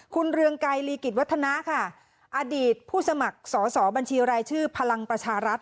คุณเรืองไกรลีกิจวัฒนาค่ะอดีตผู้สมัครสอสอบัญชีรายชื่อพลังประชารัฐ